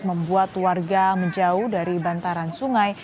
membuat warga menjauh dari bantaran sungai